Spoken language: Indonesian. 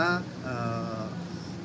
dan kita terus serta